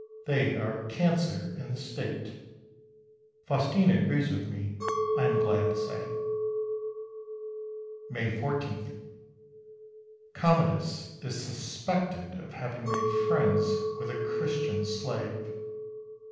They are a cancer in the State. Faustina agrees with me, I am glad to say. May 14. Commodus is suspected of having made friends with a Christian slave.